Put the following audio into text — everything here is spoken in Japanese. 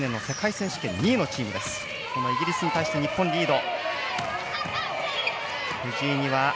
そのイギリスに対して日本リード。